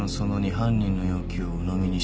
犯人の要求をうのみにしない。